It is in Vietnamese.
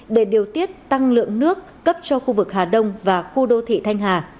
để điều tiết tăng lượng nước cấp cho khu vực hà đông và khu đô thị thanh hà